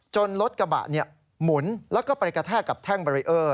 รถกระบะหมุนแล้วก็ไปกระแทกกับแท่งเบรีเออร์